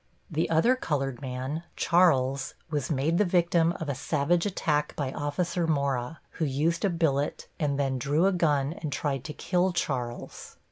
The other colored man, Charles, was made the victim of a savage attack by Officer Mora, who used a billet and then drew a gun and tried to kill Charles.